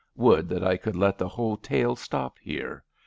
Would that I could let the tale stop here.